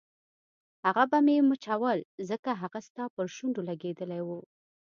هغه به مې مچول ځکه هغه ستا پر شونډو لګېدلي وو.